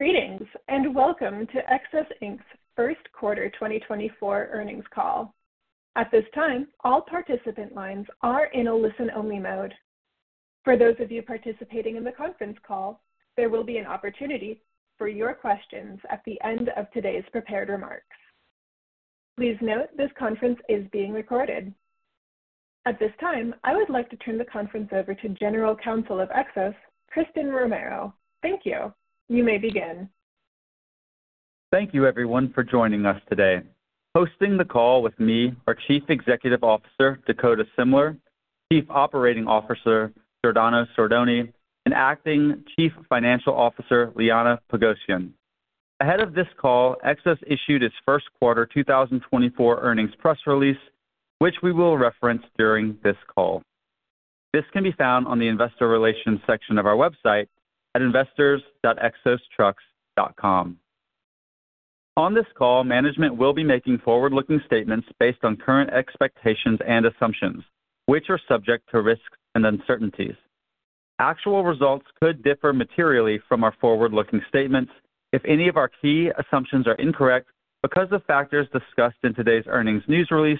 Greetings, and welcome to Xos, Inc.'s First Quarter 2024 Earnings Call. At this time, all participant lines are in a listen-only mode. For those of you participating in the conference call, there will be an opportunity for your questions at the end of today's prepared remarks. Please note, this conference is being recorded. At this time, I would like to turn the conference over to General Counsel of Xos, Christen Romero. Thank you. You may begin. Thank you, everyone, for joining us today. Hosting the call with me are Chief Executive Officer, Dakota Semler, Chief Operating Officer, Giordano Sordoni, and Acting Chief Financial Officer, Liana Pogosyan. Ahead of this call, Xos issued its first quarter 2024 earnings press release, which we will reference during this call. This can be found on the investor relations section of our website at investors.xostrucks.com. On this call, management will be making forward-looking statements based on current expectations and assumptions, which are subject to risks and uncertainties. Actual results could differ materially from our forward-looking statements if any of our key assumptions are incorrect because of factors discussed in today's earnings news release,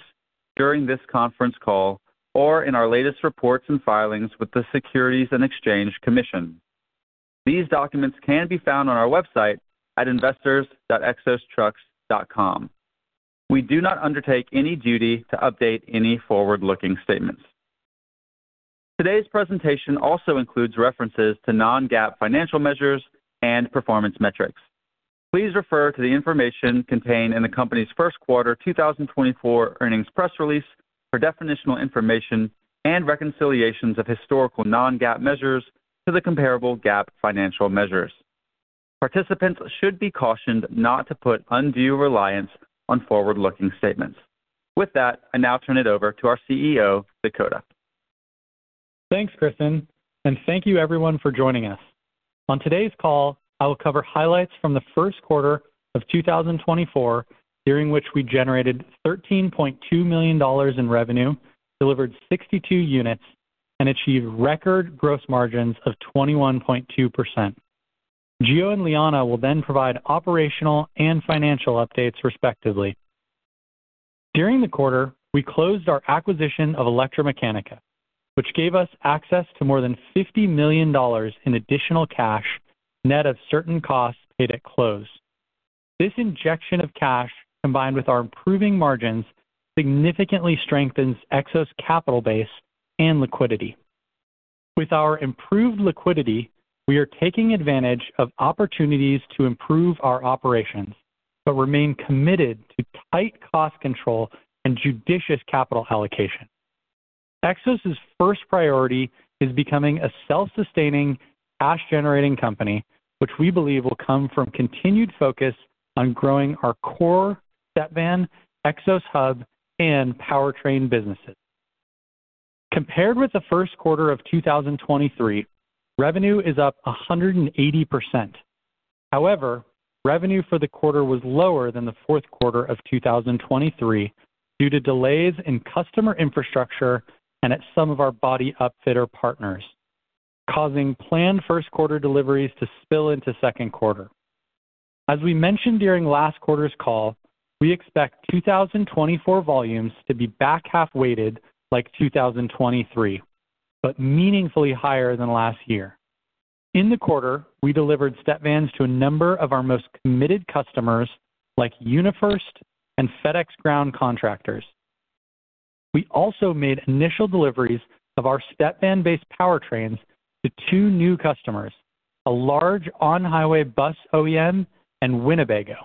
during this conference call, or in our latest reports and filings with the Securities and Exchange Commission. These documents can be found on our website at investors.xostrucks.com. We do not undertake any duty to update any forward-looking statements. Today's presentation also includes references to non-GAAP financial measures and performance metrics. Please refer to the information contained in the company's first quarter 2024 earnings press release for definitional information and reconciliations of historical non-GAAP measures to the comparable GAAP financial measures. Participants should be cautioned not to put undue reliance on forward-looking statements. With that, I now turn it over to our CEO, Dakota. Thanks, Christen, and thank you everyone for joining us. On today's call, I will cover highlights from the first quarter of 2024, during which we generated $13.2 million in revenue, delivered 62 units, and achieved record gross margins of 21.2%. Gio and Liana will then provide operational and financial updates, respectively. During the quarter, we closed our acquisition of ElectraMeccanica, which gave us access to more than $50 million in additional cash, net of certain costs paid at close. This injection of cash, combined with our improving margins, significantly strengthens Xos' capital base and liquidity. With our improved liquidity, we are taking advantage of opportunities to improve our operations, but remain committed to tight cost control and judicious capital allocation. Xos' first priority is becoming a self-sustaining, cash-generating company, which we believe will come from continued focus on growing our core Step Van, Xos Hub, and powertrain businesses. Compared with the first quarter of 2023, revenue is up 180%. However, revenue for the quarter was lower than the fourth quarter of 2023 due to delays in customer infrastructure and at some of our body upfitter partners, causing planned first quarter deliveries to spill into second quarter. As we mentioned during last quarter's call, we expect 2024 volumes to be back-half weighted like 2023, but meaningfully higher than last year. In the quarter, we delivered step vans to a number of our most committed customers, like UniFirst and FedEx Ground Contractors. We also made initial deliveries of our Step Van-based powertrains to two new customers, a large on-highway bus OEM and Winnebago.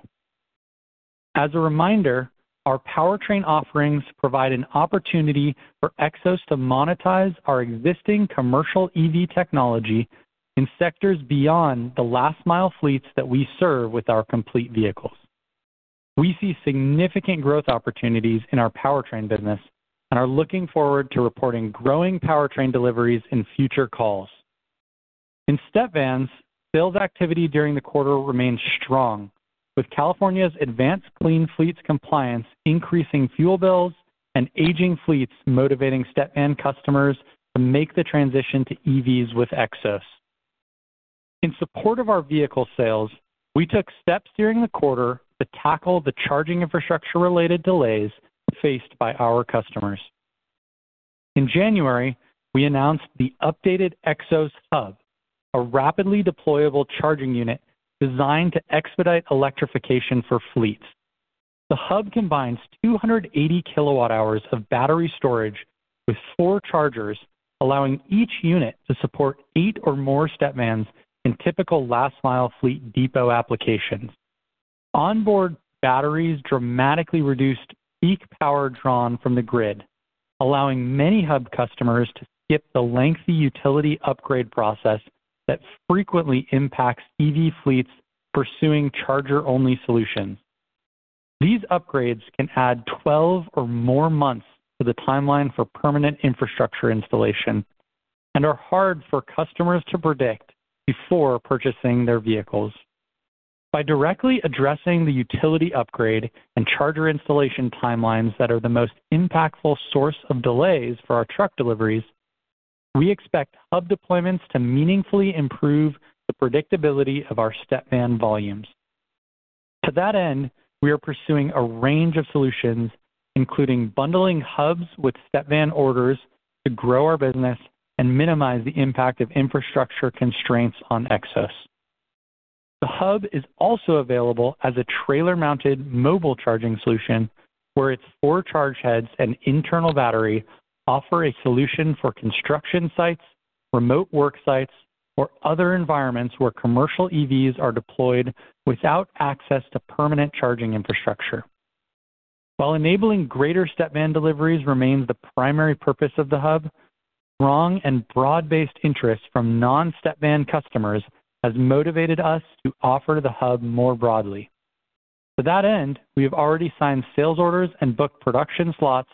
As a reminder, our powertrain offerings provide an opportunity for Xos to monetize our existing commercial EV technology in sectors beyond the last-mile fleets that we serve with our complete vehicles. We see significant growth opportunities in our powertrain business and are looking forward to reporting growing powertrain deliveries in future calls. In step vans, sales activity during the quarter remained strong, with California's Advanced Clean Fleets compliance increasing fuel bills and aging fleets motivating Step Van customers to make the transition to EVs with Xos. In support of our vehicle sales, we took steps during the quarter to tackle the charging infrastructure-related delays faced by our customers. In January, we announced the updated Xos Hub, a rapidly deployable charging unit designed to expedite electrification for fleets. The Hub combines 280 kWh of battery storage with four chargers, allowing each unit to support eight or more step vans in typical last-mile fleet depot applications. Onboard batteries dramatically reduced peak power drawn from the grid, allowing many Hub customers to skip the lengthy utility upgrade process that frequently impacts EV fleets pursuing charger-only solutions. These upgrades can add 12 or more months to the timeline for permanent infrastructure installation and are hard for customers to predict before purchasing their vehicles. By directly addressing the utility upgrade and charger installation timelines that are the most impactful source of delays for our truck deliveries. We expect Hub deployments to meaningfully improve the predictability of our Step Van volumes. To that end, we are pursuing a range of solutions, including bundling Hubs with Step Van orders, to grow our business and minimize the impact of infrastructure constraints on Xos. The Hub is also available as a trailer-mounted mobile charging solution, where its four charge heads and internal battery offer a solution for construction sites, remote work sites, or other environments where commercial EVs are deployed without access to permanent charging infrastructure. While enabling greater Step Van deliveries remains the primary purpose of the Hub, strong and broad-based interest from non-Step Van customers has motivated us to offer the Hub more broadly. To that end, we have already signed sales orders and booked production slots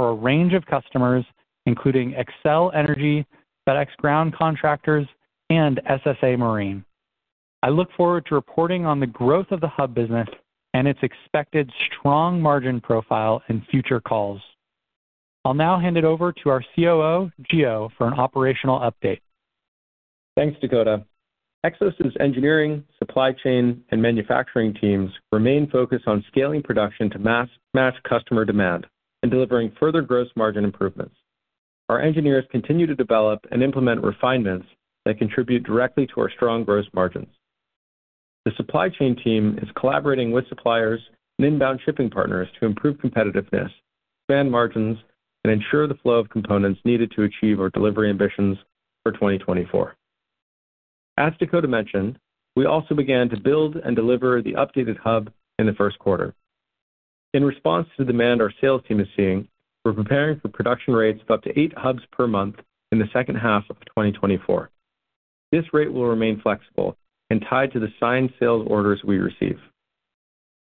for a range of customers, including Xcel Energy, FedEx Ground Contractors, and SSA Marine. I look forward to reporting on the growth of the Hub business and its expected strong margin profile in future calls. I'll now hand it over to our COO, Gio, for an operational update. Thanks, Dakota. Xos' engineering, supply chain, and manufacturing teams remain focused on scaling production to mass-match customer demand and delivering further gross margin improvements. Our engineers continue to develop and implement refinements that contribute directly to our strong gross margins. The supply chain team is collaborating with suppliers and inbound shipping partners to improve competitiveness, expand margins, and ensure the flow of components needed to achieve our delivery ambitions for 2024. As Dakota mentioned, we also began to build and deliver the updated Hub in the first quarter. In response to the demand our sales team is seeing, we're preparing for production rates of up to eight Hubs per month in the second half of 2024. This rate will remain flexible and tied to the signed sales orders we receive.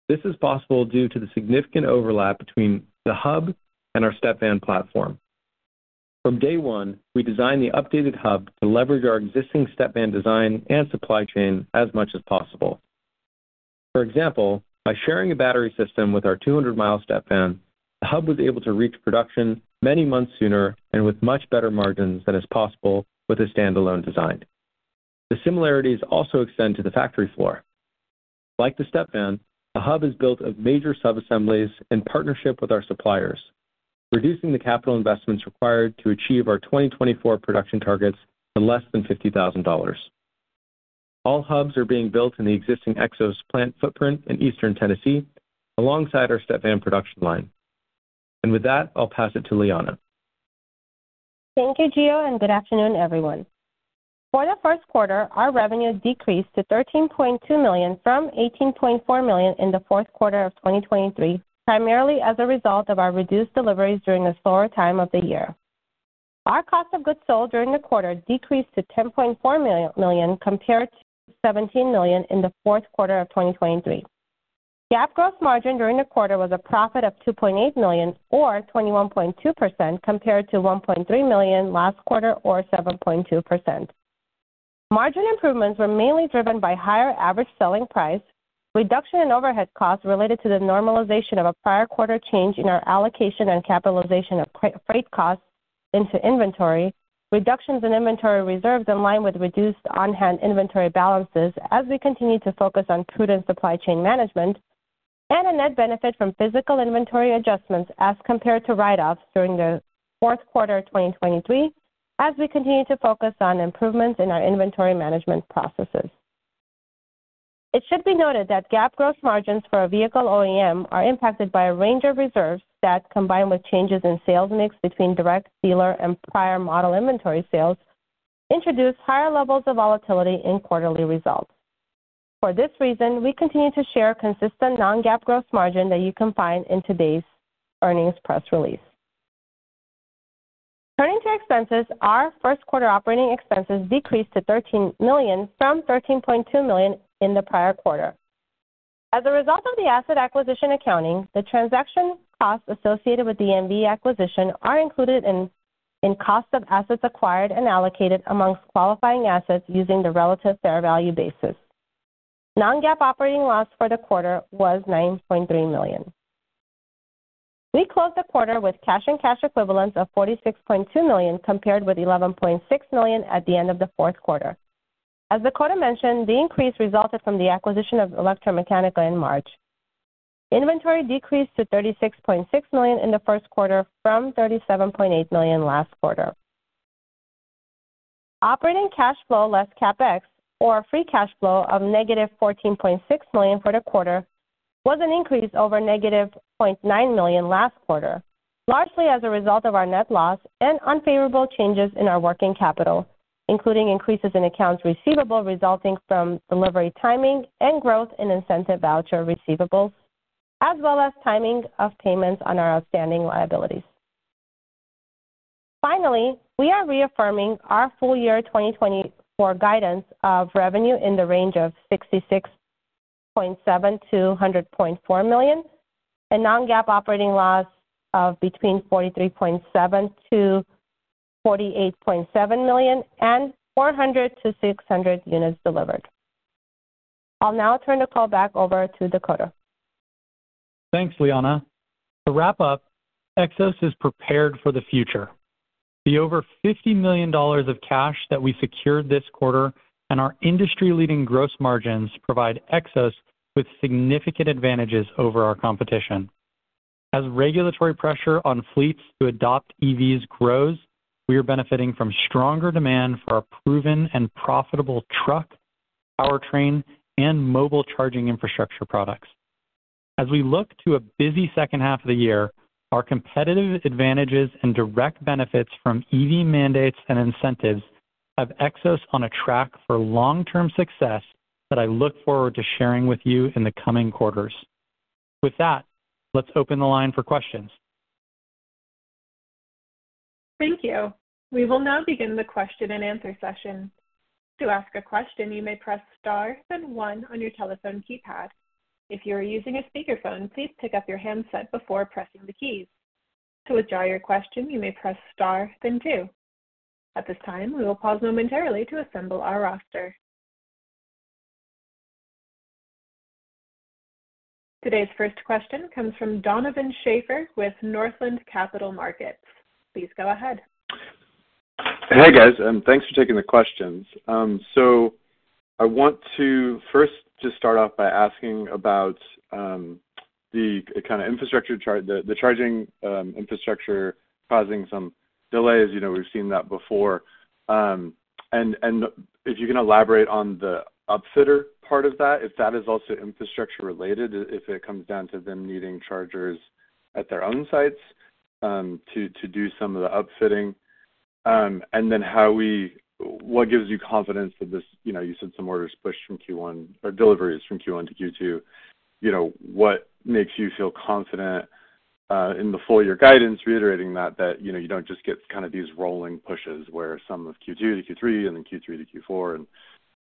This is possible due to the significant overlap between the Hub and our Step Van platform. From day one, we designed the updated Hub to leverage our existing Step Van design and supply chain as much as possible. For example, by sharing a battery system with our 200-mile Step Van, the Hub was able to reach production many months sooner and with much better margins than is possible with a standalone design. The similarities also extend to the factory floor. Like the Step Van, the Hub is built of major subassemblies in partnership with our suppliers, reducing the capital investments required to achieve our 2024 production targets to less than $50,000. All Hubs are being built in the existing Xos plant footprint in eastern Tennessee, alongside our Step Van production line. With that, I'll pass it to Liana. Thank you, Gio, and good afternoon, everyone. For the first quarter, our revenue decreased to $13.2 million from $18.4 million in the fourth quarter of 2023, primarily as a result of our reduced deliveries during the slower time of the year. Our cost of goods sold during the quarter decreased to $10.4 million, compared to $17 million in the fourth quarter of 2023. GAAP gross margin during the quarter was a profit of $2.8 million, or 21.2%, compared to $1.3 million last quarter, or 7.2%. Margin improvements were mainly driven by higher average selling price, reduction in overhead costs related to the normalization of a prior quarter change in our allocation and capitalization of prior freight costs into inventory, reductions in inventory reserves in line with reduced on-hand inventory balances as we continue to focus on prudent supply chain management, and a net benefit from physical inventory adjustments as compared to write-offs during the fourth quarter of 2023, as we continue to focus on improvements in our inventory management processes. It should be noted that GAAP gross margins for a vehicle OEM are impacted by a range of reserves that, combined with changes in sales mix between direct, dealer, and prior model inventory sales, introduce higher levels of volatility in quarterly results. For this reason, we continue to share consistent non-GAAP gross margin that you can find in today's earnings press release. Turning to expenses, our first quarter operating expenses decreased to $13 million from $13.2 million in the prior quarter. As a result of the asset acquisition accounting, the transaction costs associated with the ElectraMeccanica acquisition are included in cost of assets acquired and allocated among qualifying assets using the relative fair value basis. Non-GAAP operating loss for the quarter was $9.3 million. We closed the quarter with cash and cash equivalents of $46.2 million, compared with $11.6 million at the end of the fourth quarter. As Dakota mentioned, the increase resulted from the acquisition of ElectraMeccanica in March. Inventory decreased to $36.6 million in the first quarter, from $37.8 million last quarter. Operating cash flow, less CapEx, or free cash flow of $-14.6 million for the quarter, was an increase over $-0.9 million last quarter, largely as a result of our net loss and unfavorable changes in our working capital, including increases in accounts receivable resulting from delivery, timing, and growth in incentive voucher receivables, as well as timing of payments on our outstanding liabilities. Finally, we are reaffirming our full year 2024 guidance of revenue in the range of $66.7 million-$100.4 million, and non-GAAP operating loss of between $43.7 million-$48.7 million, and 400-600 units delivered. I'll now turn the call back over to Dakota. ... Thanks, Liana. To wrap up, Xos is prepared for the future. The over $50 million of cash that we secured this quarter and our industry-leading gross margins provide Xos with significant advantages over our competition. As regulatory pressure on fleets to adopt EVs grows, we are benefiting from stronger demand for our proven and profitable truck, powertrain, and mobile charging infrastructure products. As we look to a busy second half of the year, our competitive advantages and direct benefits from EV mandates and incentives have Xos on a track for long-term success that I look forward to sharing with you in the coming quarters. With that, let's open the line for questions. Thank you. We will now begin the question and answer session. To ask a question, you may press star, then one on your telephone keypad. If you are using a speakerphone, please pick up your handset before pressing the keys. To withdraw your question, you may press star, then two. At this time, we will pause momentarily to assemble our roster. Today's first question comes from Donovan Schafer with Northland Capital Markets. Please go ahead. Hey, guys, thanks for taking the questions. So I want to first just start off by asking about the kinda infrastructure charge, the charging infrastructure causing some delays. You know, we've seen that before. And if you can elaborate on the upfitter part of that, if that is also infrastructure related, if it comes down to them needing chargers at their own sites to do some of the upfitting. And then what gives you confidence that this, you know, you said some orders pushed from Q1, or deliveries from Q1 to Q2. You know, what makes you feel confident in the full year guidance, reiterating that, that you know, you don't just get kind of these rolling pushes where some of Q2 to Q3 and then Q3 to Q4, and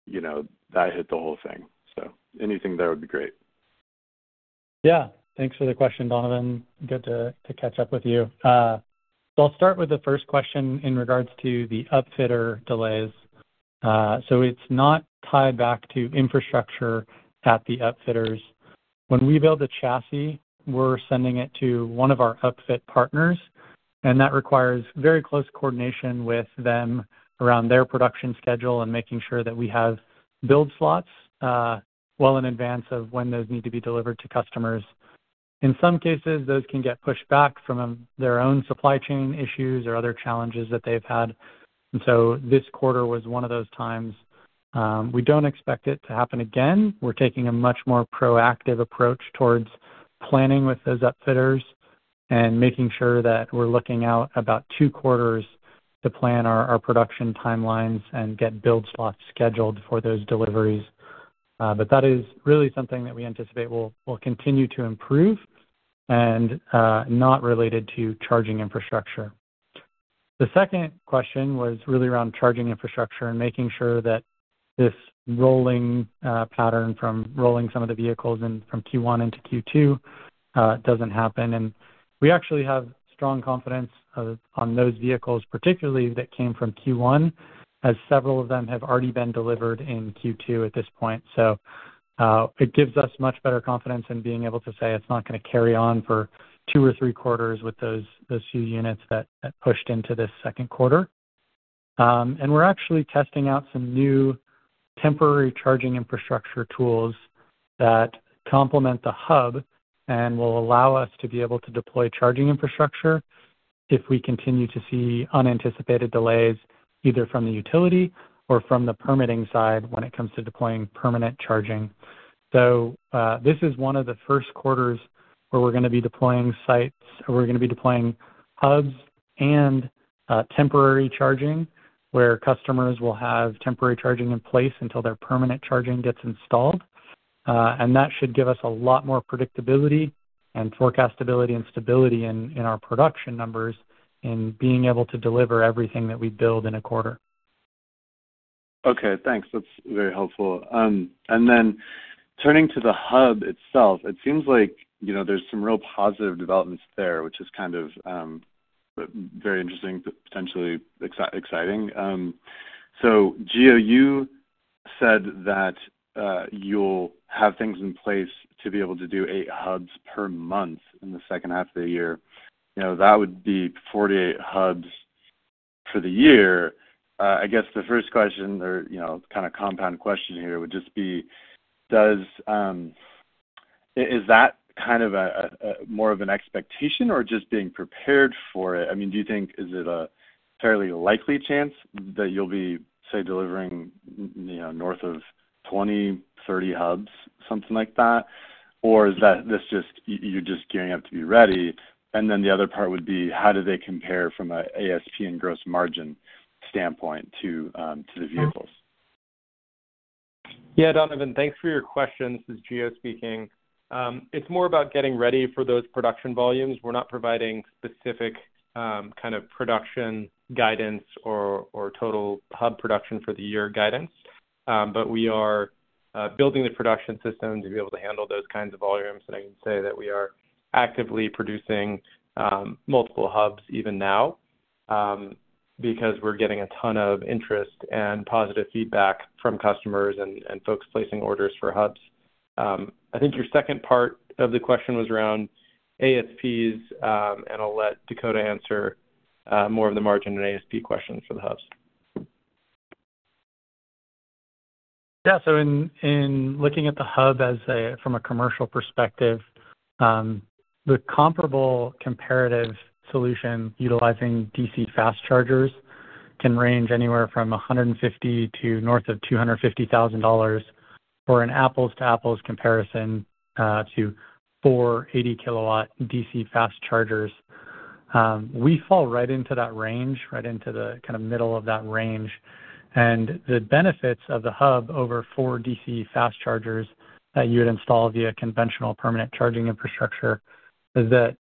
you know, that hit the whole thing. Anything there would be great. Yeah, thanks for the question, Donovan. Good to catch up with you. So I'll start with the first question in regards to the upfitter delays. So it's not tied back to infrastructure at the upfitters. When we build a chassis, we're sending it to one of our upfit partners, and that requires very close coordination with them around their production schedule and making sure that we have build slots well in advance of when those need to be delivered to customers. In some cases, those can get pushed back from their own supply chain issues or other challenges that they've had, and so this quarter was one of those times. We don't expect it to happen again. We're taking a much more proactive approach towards planning with those upfitters and making sure that we're looking out about two quarters to plan our production timelines and get build slots scheduled for those deliveries. But that is really something that we anticipate will continue to improve and not related to charging infrastructure. The second question was really around charging infrastructure and making sure that this rolling pattern from rolling some of the vehicles in from Q1 into Q2 doesn't happen. And we actually have strong confidence of, on those vehicles, particularly that came from Q1, as several of them have already been delivered in Q2 at this point. So, it gives us much better confidence in being able to say it's not gonna carry on for two or three quarters with those few units that pushed into this second quarter. and we're actually testing out some new temporary charging infrastructure tools that complement the hub and will allow us to be able to deploy charging infrastructure if we continue to see unanticipated delays, either from the utility or from the permitting side, when it comes to deploying permanent charging. So, this is one of the first quarters where we're gonna be deploying sites, or we're gonna be deploying hubs and temporary charging, where customers will have temporary charging in place until their permanent charging gets installed. and that should give us a lot more predictability and forecastability and stability in, in our production numbers in being able to deliver everything that we build in a quarter. Okay, thanks. That's very helpful. And then turning to the hub itself, it seems like, you know, there's some real positive developments there, which is kind of very interesting, but potentially exciting. So Gio, you said that you'll have things in place to be able to do eight hubs per month in the second half of the year. You know, that would be 48 hubs for the year. I guess the first question there, you know, kind of compound question here, would just be, does... Is that kind of a more of an expectation or just being prepared for it? I mean, do you think is it a fairly likely chance that you'll be, say, delivering, you know, north of 20, 30 hubs, something like that? Or is that, this just, you, you're just gearing up to be ready? And then the other part would be, how do they compare from a ASP and gross margin standpoint to the vehicles? Yeah, Donovan, thanks for your question. This is Gio speaking. It's more about getting ready for those production volumes. We're not providing specific kind of production guidance or total hub production for the year guidance. But we are building the production system to be able to handle those kinds of volumes. And I can say that we are actively producing multiple hubs even now.... because we're getting a ton of interest and positive feedback from customers and folks placing orders for hubs. I think your second part of the question was around ASPs, and I'll let Dakota answer more of the margin and ASP questions for the hubs. Yeah. So in looking at the hub from a commercial perspective, the comparative solution utilizing DC fast chargers can range anywhere from $150,000 to north of $250,000 for an apples-to-apples comparison to four 80-kilowatt DC fast chargers. We fall right into that range, right into the kind of middle of that range. And the benefits of the hub over four DC fast chargers that you would install via conventional permanent charging infrastructure is that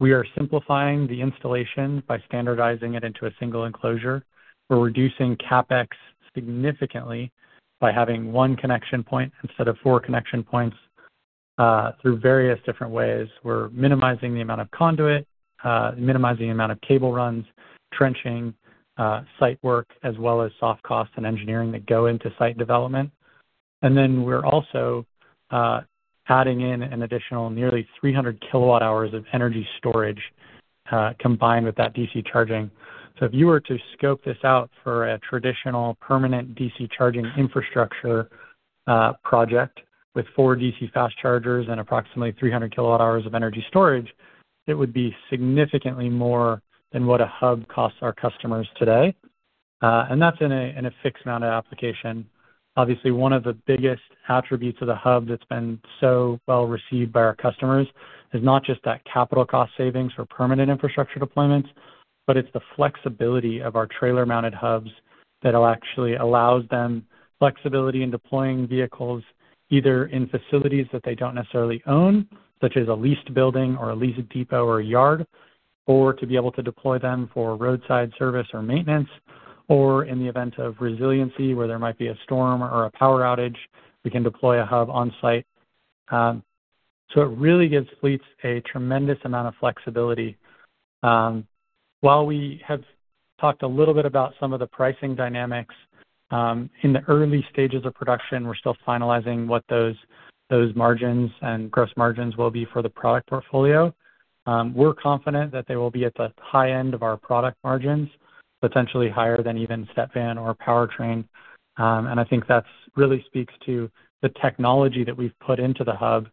we are simplifying the installation by standardizing it into a single enclosure. We're reducing CapEx significantly by having one connection point instead of four connection points through various different ways. We're minimizing the amount of conduit, minimizing the amount of cable runs, trenching, site work, as well as soft costs and engineering that go into site development. And then we're also adding in an additional nearly 300 kWh of energy storage, combined with that DC charging. So if you were to scope this out for a traditional permanent DC charging infrastructure project with four DC fast chargers and approximately 300 kWh of energy storage, it would be significantly more than what a hub costs our customers today, and that's in a fixed amount of application. Obviously, one of the biggest attributes of the hub that's been so well received by our customers is not just that capital cost savings for permanent infrastructure deployments, but it's the flexibility of our trailer-mounted hubs that'll actually allows them flexibility in deploying vehicles, either in facilities that they don't necessarily own, such as a leased building or a leased depot or a yard, or to be able to deploy them for roadside service or maintenance, or in the event of resiliency, where there might be a storm or a power outage, we can deploy a hub on site. So it really gives fleets a tremendous amount of flexibility. While we have talked a little bit about some of the pricing dynamics, in the early stages of production, we're still finalizing what those, those margins and gross margins will be for the product portfolio. We're confident that they will be at the high end of our product margins, potentially higher than even Step Van or powertrain. I think that's really speaks to the technology that we've put into the hub,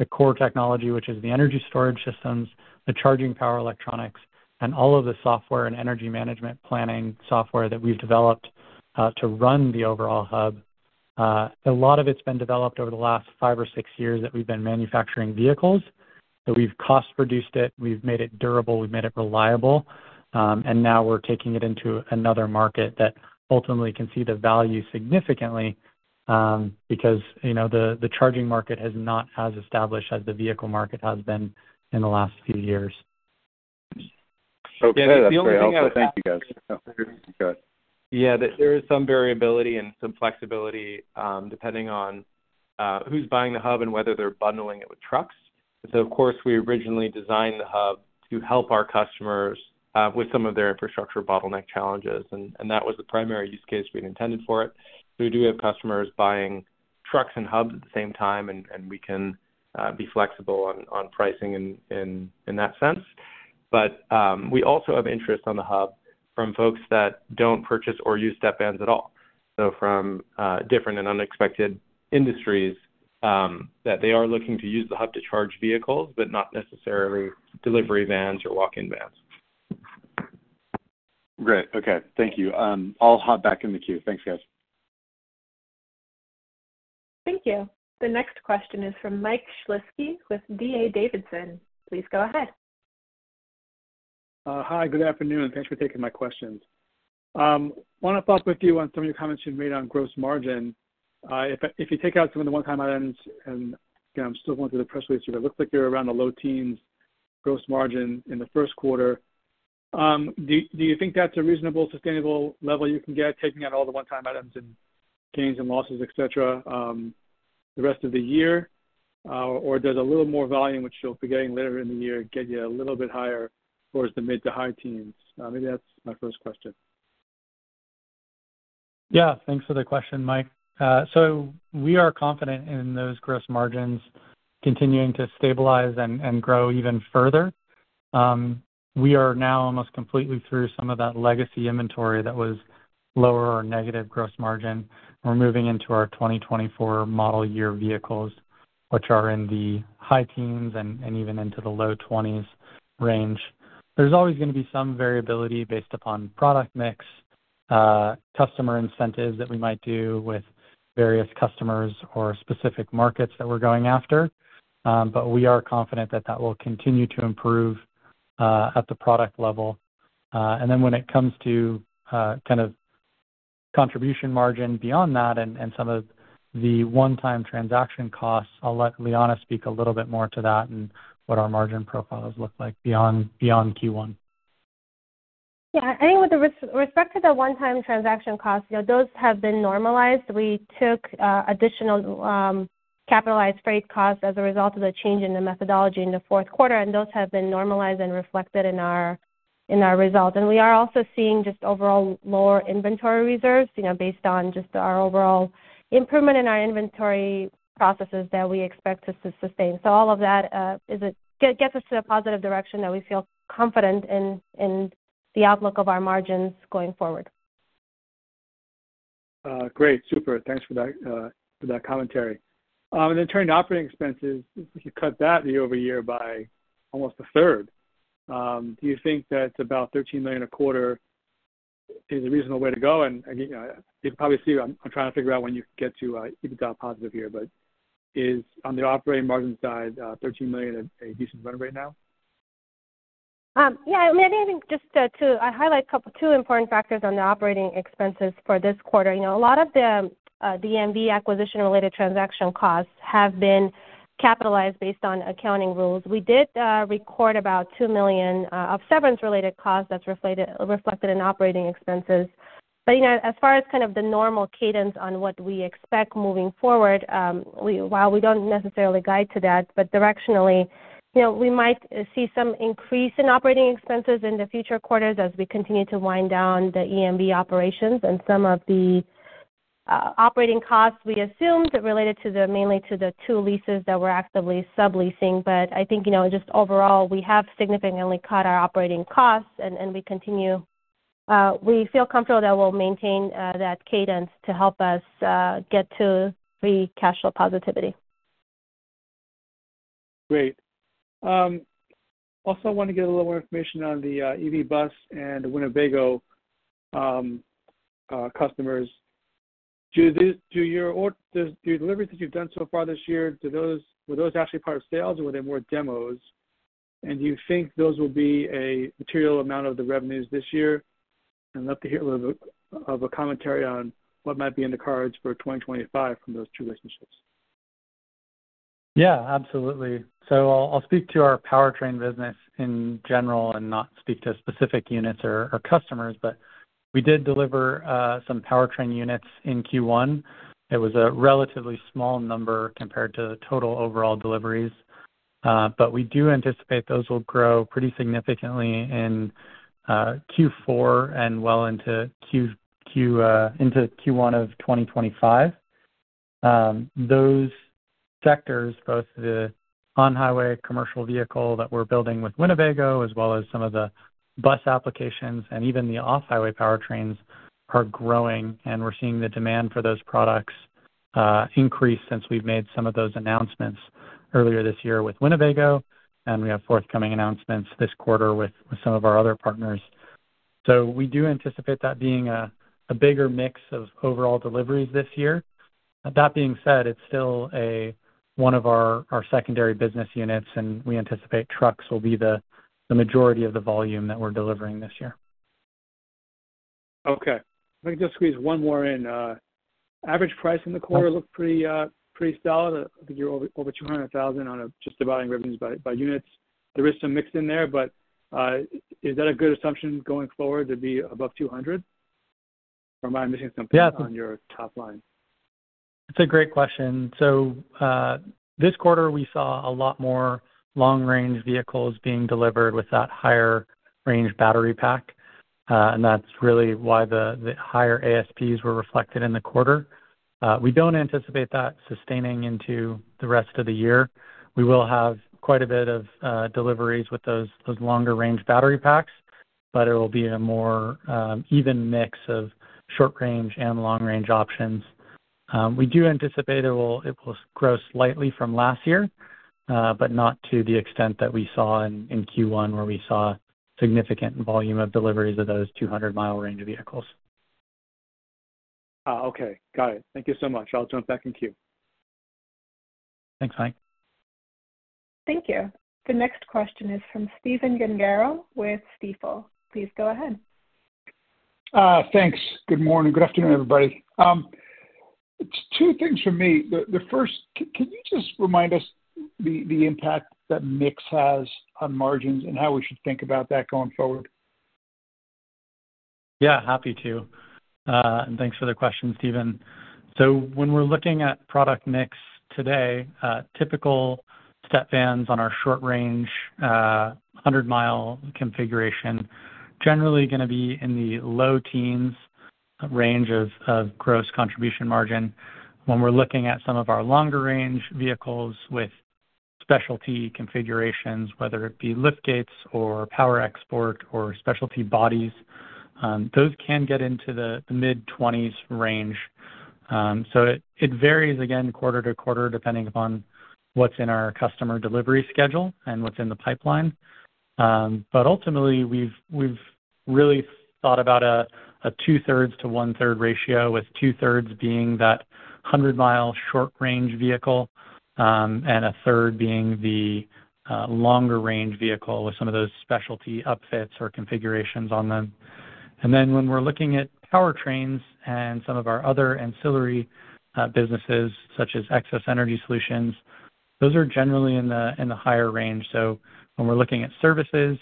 the core technology, which is the energy storage systems, the charging power electronics, and all of the software and energy management planning software that we've developed to run the overall hub. A lot of it's been developed over the last five or six years that we've been manufacturing vehicles, so we've cost-reduced it, we've made it durable, we've made it reliable, and now we're taking it into another market that ultimately can see the value significantly, because, you know, the charging market has not as established as the vehicle market has been in the last few years. Okay, that's great. Also, thank you, guys. Yeah, there is some variability and some flexibility, depending on who's buying the hub and whether they're bundling it with trucks. So of course, we originally designed the hub to help our customers with some of their infrastructure bottleneck challenges, and that was the primary use case we had intended for it. We do have customers buying trucks and hubs at the same time, and we can be flexible on pricing in that sense. But we also have interest on the hub from folks that don't purchase or step vans at all. So from different and unexpected industries, that they are looking to use the hub to charge vehicles, but not necessarily delivery vans or walk-in vans. Great. Okay. Thank you. I'll hop back in the queue. Thanks, guys. Thank you. The next question is from Mike Shlisky with D.A. Davidson. Please go ahead. Hi, good afternoon. Thanks for taking my questions. Want to talk with you on some of your comments you've made on gross margin. If you take out some of the one-time items, and again, I'm still going through the press release here, it looks like you're around the low teens gross margin in the first quarter. Do you think that's a reasonable, sustainable level you can get, taking out all the one-time items and gains and losses, et cetera, the rest of the year? Or does a little more volume, which you'll be getting later in the year, get you a little bit higher towards the mid to high teens? Maybe that's my first question. Yeah, thanks for the question, Mike. So we are confident in those gross margins continuing to stabilize and, and grow even further. We are now almost completely through some of that legacy inventory that was lower or negative gross margin. We're moving into our 2024 model year vehicles, which are in the high teens and, and even into the low twenties range. There's always going to be some variability based upon product mix, customer incentives that we might do with various customers or specific markets that we're going after. But we are confident that that will continue to improve, at the product level. And then when it comes to kind of contribution margin beyond that and, and some of the one-time transaction costs, I'll let Liana speak a little bit more to that and what our margin profiles look like beyond, beyond Q1. Yeah, I think with respect to the one-time transaction costs, you know, those have been normalized. We took additional capitalized freight costs as a result of the change in the methodology in the fourth quarter, and those have been normalized and reflected in our results. And we are also seeing just overall lower inventory reserves, you know, based on just our overall improvement in our inventory processes that we expect us to sustain. So all of that gets us to a positive direction that we feel confident in, in the outlook of our margins going forward. Great. Super. Thanks for that for that commentary. And then turning to operating expenses, you cut that year-over-year by almost a third. Do you think that about $13 million a quarter is a reasonable way to go? And, and, you know, you can probably see I'm, I'm trying to figure out when you get to, EBITDA positive here, but is on the operating margin side, $13 million a, a decent run rate now? Yeah, I mean, I think just to highlight a couple, two important factors on the operating expenses for this quarter. You know, a lot of the EMV acquisition-related transaction costs have been capitalized based on accounting rules. We did record about $2 million of severance-related costs that's reflected in operating expenses. But, you know, as far as kind of the normal cadence on what we expect moving forward, while we don't necessarily guide to that, but directionally, you know, we might see some increase in operating expenses in the future quarters as we continue to wind down the EMV operations. And some of the operating costs we assumed are related to the, mainly to the two leases that we're actively subleasing. But I think, you know, just overall, we have significantly cut our operating costs, and we continue... We feel comfortable that we'll maintain that cadence to help us get to free cash flow positivity. Great. Also, I want to get a little more information on the EV bus and Winnebago customers. Do these-do your or the, the deliveries that you've done so far this year, do those... Were those actually part of sales, or were they more demos? And do you think those will be a material amount of the revenues this year? I'd love to hear a little bit of a commentary on what might be in the cards for 2025 from those two relationships. Yeah, absolutely. So I'll, I'll speak to our powertrain business in general and not speak to specific units or, or customers, but we did deliver some powertrain units in Q1. It was a relatively small number compared to the total overall deliveries, but we do anticipate those will grow pretty significantly in Q4 and well into Q, Q, into Q1 of 2025. Those sectors, both the on-highway commercial vehicle that we're building with Winnebago, as well as some of the bus applications and even the off-highway powertrains, are growing, and we're seeing the demand for those products increase since we've made some of those announcements earlier this year with Winnebago. And we have forthcoming announcements this quarter with, with some of our other partners. So we do anticipate that being a bigger mix of overall deliveries this year. That being said, it's still one of our secondary business units, and we anticipate trucks will be the majority of the volume that we're delivering this year. Okay. Let me just squeeze one more in. Average price in the quarter looked pretty solid. I think you're over $200,000 by just dividing revenues by units. There is some mix in there, but is that a good assumption going forward to be above $200,000, or am I missing something? Yeah. -on your top line? It's a great question. So, this quarter, we saw a lot more long-range vehicles being delivered with that higher range battery pack, and that's really why the higher ASPs were reflected in the quarter. We don't anticipate that sustaining into the rest of the year. We will have quite a bit of deliveries with those longer-range battery packs, but it will be a more even mix of short-range and long-range options. We do anticipate it will grow slightly from last year, but not to the extent that we saw in Q1, where we saw significant volume of deliveries of those 200-mile range of vehicles. Okay. Got it. Thank you so much. I'll jump back in queue. Thanks, Mike. Thank you. The next question is from Stephen Gengaro with Stifel. Please go ahead. Thanks. Good morning. Good afternoon, everybody. Two things for me. The first, can you just remind us the impact that mix has on margins and how we should think about that going forward? Yeah, happy to. And thanks for the question, Stephen. So when we're looking at product mix today, typical step vans on our short-range, 100-mile configuration, generally gonna be in the low teens range of gross contribution margin. When we're looking at some of our longer-range vehicles with specialty configurations, whether it be liftgates or power export or specialty bodies, those can get into the mid-twenties range. So it varies again quarter to quarter, depending upon what's in our customer delivery schedule and what's in the pipeline. But ultimately, we've really thought about a two-thirds to one-third ratio, with two-thirds being that 100-mile short-range vehicle, and a third being the longer-range vehicle with some of those specialty upfits or configurations on them. Then when we're looking at powertrains and some of our other ancillary businesses, such as Xos Energy Solutions, those are generally in the higher range. So when we're looking at services,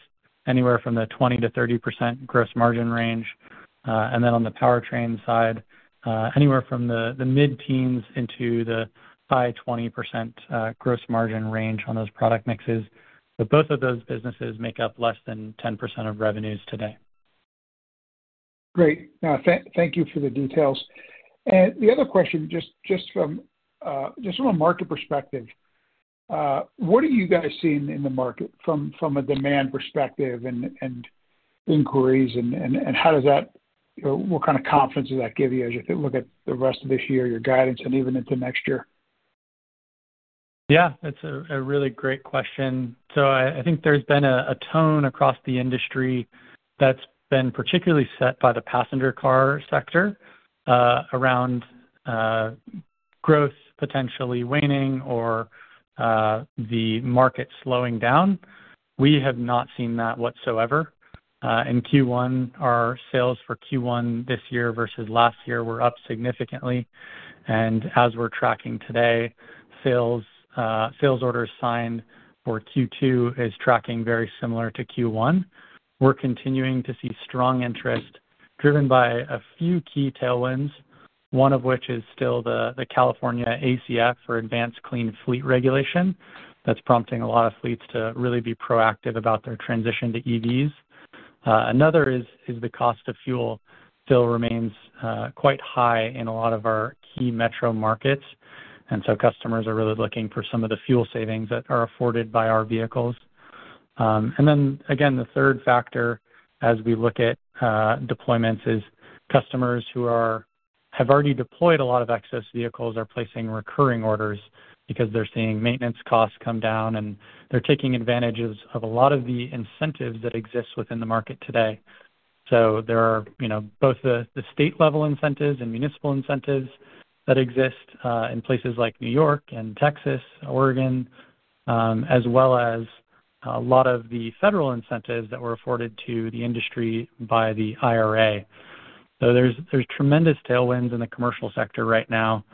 anywhere from the 20%-30% gross margin range. And then on the powertrain side, anywhere from the mid-teens into the high 20% gross margin range on those product mixes. But both of those businesses make up less than 10% of revenues today. Great. Now, thank you for the details. And the other question, just from a market perspective, what are you guys seeing in the market from a demand perspective and how does that or what kind of confidence does that give you as you look at the rest of this year, your guidance, and even into next year? Yeah, that's a really great question. So I think there's been a tone across the industry that's been particularly set by the passenger car sector around growth potentially waning or the market slowing down. We have not seen that whatsoever. In Q1, our sales for Q1 this year versus last year were up significantly, and as we're tracking today, sales orders signed for Q2 is tracking very similar to Q1. We're continuing to see strong interest, driven by a few key tailwinds, one of which is still the California ACF, or Advanced Clean Fleets regulation. That's prompting a lot of fleets to really be proactive about their transition to EVs. Another is the cost of fuel still remains quite high in a lot of our key metro markets, and so customers are really looking for some of the fuel savings that are afforded by our vehicles. And then, again, the third factor as we look at deployments is customers who have already deployed a lot of excess vehicles are placing recurring orders because they're seeing maintenance costs come down, and they're taking advantages of a lot of the incentives that exist within the market today. So there are, you know, both the state-level incentives and municipal incentives that exist in places like New York and Texas, Oregon, as well as a lot of the federal incentives that were afforded to the industry by the IRA. So there's tremendous tailwinds in the commercial sector right now,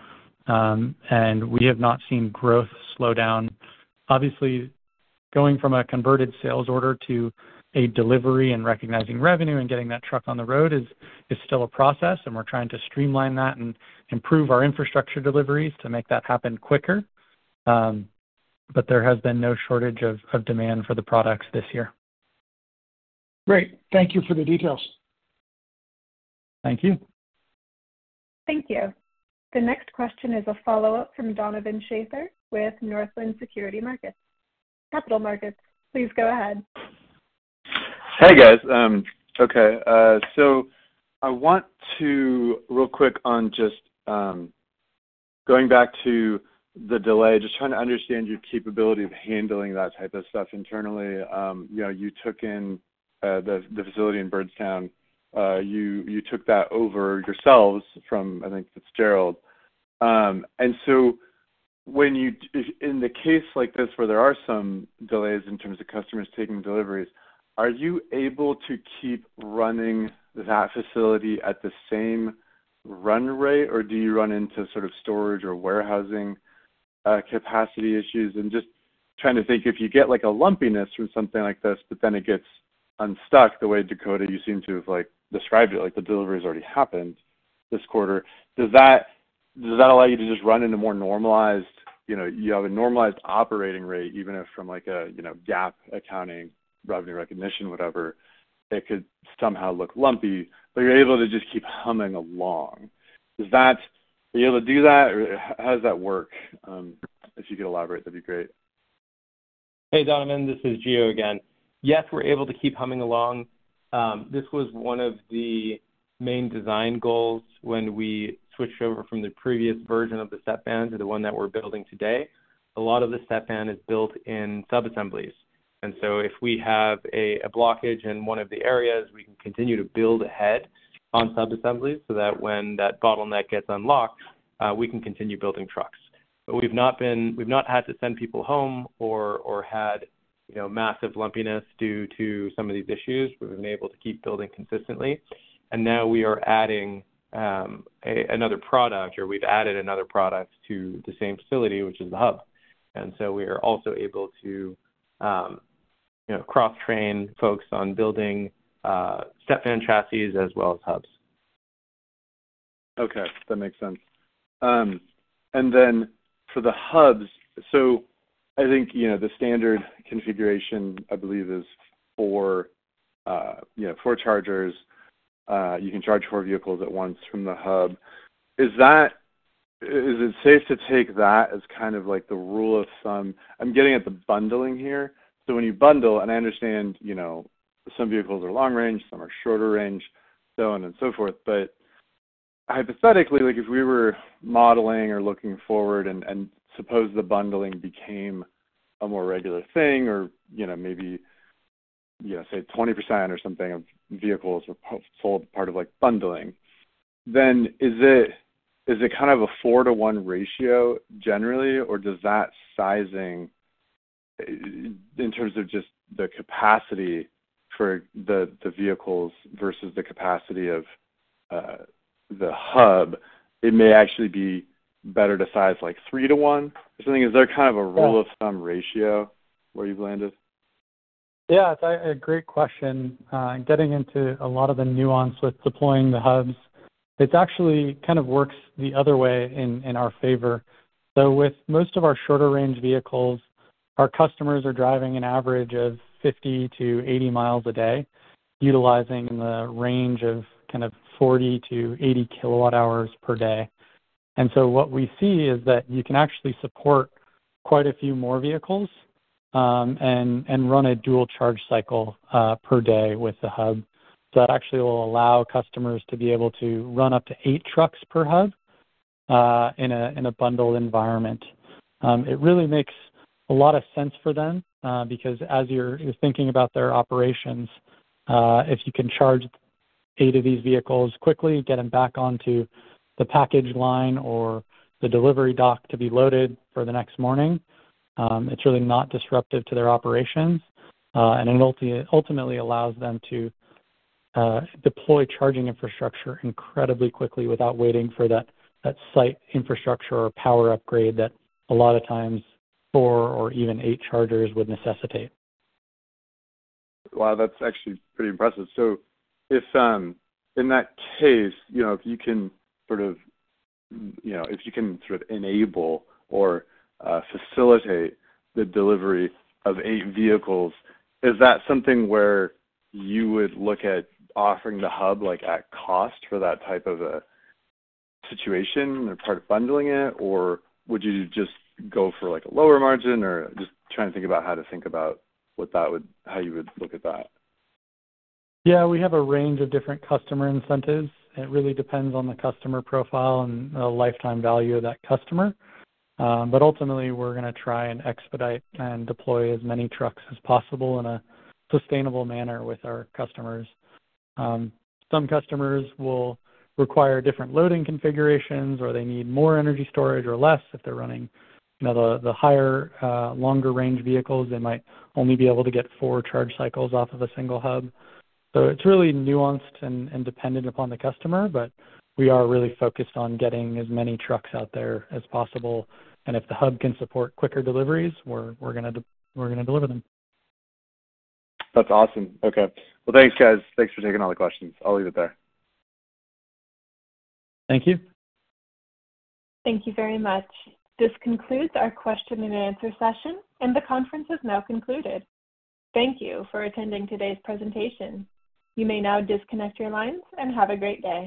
and we have not seen growth slow down. Obviously, going from a converted sales order to a delivery and recognizing revenue and getting that truck on the road is still a process, and we're trying to streamline that and improve our infrastructure deliveries to make that happen quicker. But there has been no shortage of demand for the products this year. Great, thank you for the details. Thank you. Thank you. The next question is a follow-up from Donovan Schafer with Northland Capital Markets. Please go ahead. Hey, guys. Okay, so I want to, real quick on just, going back to the delay, just trying to understand your capability of handling that type of stuff internally. You know, you took in the facility in Bristol. You took that over yourselves from, I think, Fitzgerald. And so when you... In the case like this, where there are some delays in terms of customers taking deliveries, are you able to keep running that facility at the same run rate, or do you run into sort of storage or warehousing capacity issues? Just trying to think, if you get, like, a lumpiness from something like this, but then it gets unstuck, the way, Dakota, you seem to have, like, described it, like the delivery has already happened this quarter, does that, does that allow you to just run into more normalized, you know, you have a normalized operating rate, even if from like a, you know, GAAP accounting, revenue recognition, whatever, it could somehow look lumpy, but you're able to just keep humming along. Does that, are you able to do that, or how does that work? If you could elaborate, that'd be great. Hey, Donovan, this is Gio again. Yes, we're able to keep humming along. This was one of the main design goals when we switched over from the previous version of the Step Van to the one that we're building today. A lot of the Step Van is built in subassemblies, and so if we have a blockage in one of the areas, we can continue to build ahead on subassemblies, so that when that bottleneck gets unlocked, we can continue building trucks. But we've not had to send people home or had, you know, massive lumpiness due to some of these issues. We've been able to keep building consistently. And now we are adding another product, or we've added another product to the same facility, which is the hub. We are also able to, you know, cross-train folks on building Step Van chassis as well as hubs. Okay, that makes sense. And then for the hubs, so I think, you know, the standard configuration, I believe, is four, you know, four chargers. You can charge four vehicles at once from the hub. Is it safe to take that as kind of like the rule of thumb? I'm getting at the bundling here. So when you bundle, and I understand, you know, some vehicles are long range, some are shorter range, so on and so forth. But hypothetically, like, if we were modeling or looking forward and suppose the bundling became a more regular thing or, you know, maybe, you know, say, 20% or something of vehicles are sold part of, like, bundling, then is it, is it kind of a 4:1 ratio generally, or does that sizing, in terms of just the capacity for the, the vehicles versus the capacity of the hub, it may actually be better to size like 3:1 or something? Is there kind of a rule of thumb ratio where you've landed?... Yeah, it's a great question. Getting into a lot of the nuance with deploying the hubs, it actually kind of works the other way in our favor. So with most of our shorter range vehicles, our customers are driving an average of 50-80 miles a day, utilizing in the range of kind of 40-80 kWh per day. And so what we see is that you can actually support quite a few more vehicles, and run a dual charge cycle per day with the hub. So that actually will allow customers to be able to run up to 8 trucks per hub, in a bundled environment. It really makes a lot of sense for them, because as you're thinking about their operations, if you can charge eight of these vehicles quickly, get them back onto the package line or the delivery dock to be loaded for the next morning, it's really not disruptive to their operations. And it ultimately allows them to deploy charging infrastructure incredibly quickly without waiting for that site infrastructure or power upgrade that a lot of times, four or even eight chargers would necessitate. Wow, that's actually pretty impressive. So if in that case, you know, if you can sort of, you know, if you can sort of enable or facilitate the delivery of eight vehicles, is that something where you would look at offering the hub, like, at cost for that type of a situation as part of bundling it? Or would you just go for, like, a lower margin? Or just trying to think about how to think about what that would - how you would look at that. Yeah, we have a range of different customer incentives. It really depends on the customer profile and the lifetime value of that customer. But ultimately, we're gonna try and expedite and deploy as many trucks as possible in a sustainable manner with our customers. Some customers will require different loading configurations, or they need more energy storage or less if they're running, you know, the higher, longer range vehicles, they might only be able to get four charge cycles off of a single hub. So it's really nuanced and dependent upon the customer, but we are really focused on getting as many trucks out there as possible, and if the hub can support quicker deliveries, we're gonna deliver them. That's awesome. Okay. Well, thanks, guys. Thanks for taking all the questions. I'll leave it there. Thank you. Thank you very much. This concludes our question and answer session, and the conference has now concluded. Thank you for attending today's presentation. You may now disconnect your lines and have a great day.